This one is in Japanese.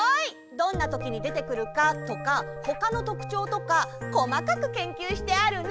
どんなときにでてくるかとかほかのとくちょうとかこまかく研究してあるね！